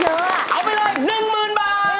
เอาไปเลย๑๐๐๐บาท